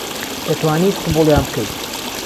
دەتوانیت قبووڵیان بکەیت